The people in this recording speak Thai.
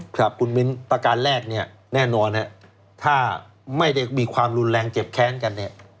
ครับคุณมิ้นประการแรกเนี่ยแน่นอนถ้าไม่ได้มีความรุนแรงเจ็บแค้นกันเนี่ย